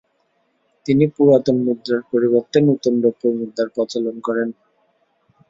তিনি পুরাতন মুদ্রার পরিবর্তে নতুন রৌপ্যমুদ্রার প্রচলন করেন।